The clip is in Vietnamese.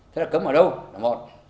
thế là cấm ở đâu đồng một